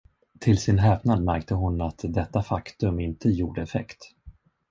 Till sin häpnad märkte hon att detta faktum inte gjorde effekt.